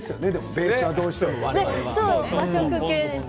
ベースはどうしてもね、我々は。